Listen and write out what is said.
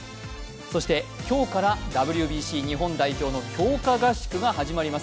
そして今日からＷＢＣ日本代表の強化合宿が始まります。